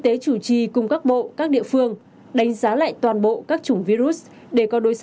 em sẽ không đi nữa